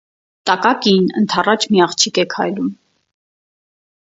Տակակիին ընդառաջ մի աղջիկ է քայլում։